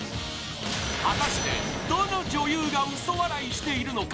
果たしてどの女優が嘘笑いしているのか。